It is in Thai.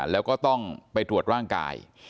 แล้วก็ต้องไปตรวจร่างกาย